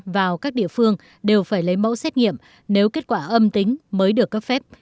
vào các địa phương đều phải lấy mẫu xét nghiệm nếu kết quả âm tính mới được cấp phép